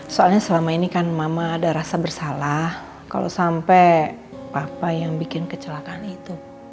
soalnya selama ini kan mama ada rasa bersalah kalau sampai papa yang bikin kecelakaan itu